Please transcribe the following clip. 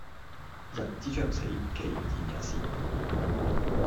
人之將死其言也善